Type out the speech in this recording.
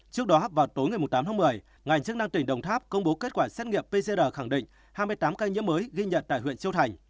trước đó vào tối ngày tám tháng một mươi ngành chức năng tỉnh đồng tháp công bố kết quả xét nghiệm pcr khẳng định hai mươi tám ca nhiễm mới ghi nhận tại huyện châu thành